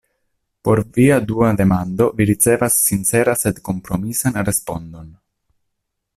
Por via dua demando vi ricevas sinceran sed kompromisan respondon.